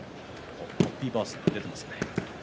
ハッピーバースデーと出ていますね。